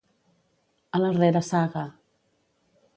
A la reressaga.